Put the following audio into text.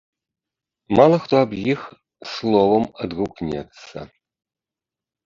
Мала хто аб іх словам адгукнецца.